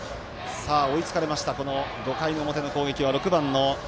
追いつかれました、５回表の攻撃